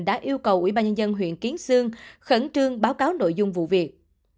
đã yêu cầu ủy ban nhân dân huyện kiến sương khẩn trương báo cáo nội dung vụ việc